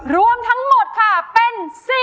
รวมทั้งหมดค่ะเป็น๔๐